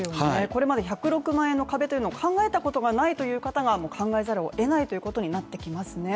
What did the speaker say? これまで１０６万円の壁というのを考えたことがない人が考えざるをえないということになってきますね